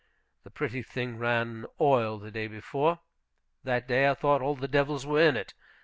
The pretty thing ran like oil the day before. That day, I thought all the devils were in it.